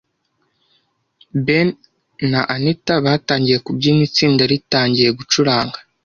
Ben na Anita batangiye kubyina itsinda ritangiye gucuranga.